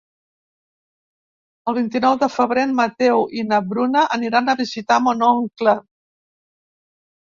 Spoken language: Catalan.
El vint-i-nou de febrer en Mateu i na Bruna aniran a visitar mon oncle.